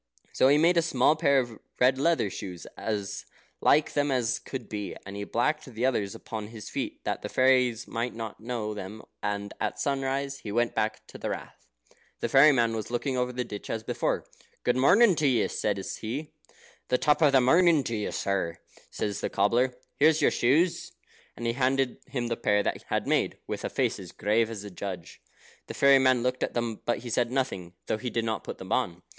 So he made a small pair of red leather shoes, as like them as could be, and he blacked the others upon his feet, that the fairies might not know them, and at sunrise he went to the Rath. The fairy man was looking over the ditch as before. "Good morning to you," said he. "The top of the morning to you, sir," said the cobbler; "here's your shoes." And he handed him the pair that he had made, with a face as grave as a judge. The fairy man looked at them, but he said nothing, though he did not put them on.